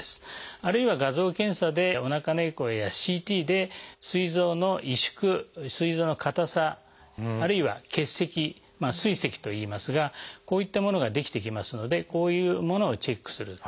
あるいは画像検査でおなかのエコーやＣＴですい臓の萎縮すい臓の硬さあるいは結石「すい石」といいますがこういったものが出来てきますのでこういうものをチェックする。